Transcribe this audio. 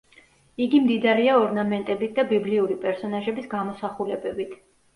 იგი მდიდარია ორნამენტებით და ბიბლიური პერსონაჟების გამოსახულებებით.